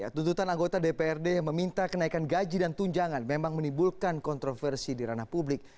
tuntutan anggota dprd yang meminta kenaikan gaji dan tunjangan memang menimbulkan kontroversi di ranah publik